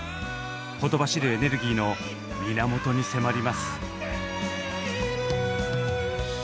ほとばしるエネルギーの源に迫ります。